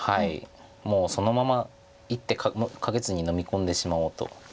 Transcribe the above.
もうそのまま一手かけずにのみ込んでしまおうと。